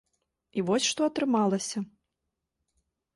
І вось што атрымалася.